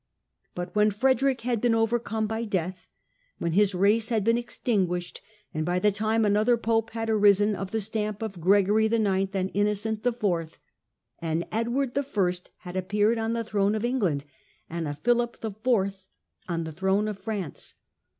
But when Frederick had been overcome by death, when his race had been ex tinguished, and by the time another Pope had arisen of the stamp of Gregory IX and Innocent IV, an Edward I had appeared on the throne of England and a Philip IV on the throne of France.